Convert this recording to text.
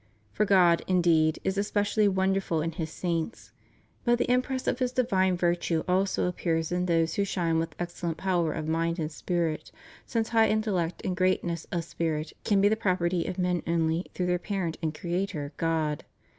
For God, indeed, is especially wonderful in His saints — mira bilis in Sanctis suis; but the impress of His divine virtue also appears in those who shine with excellent power of mind and spirit, since high intellect and greatness of spirit can be the property of men only through their parent and creator, God.